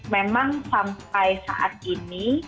memang sampai saat ini